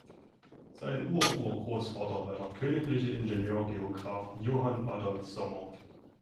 Sein Ur-Ur-Großvater war der königliche Ingenieur-Geograph Johann Adolph Sommer.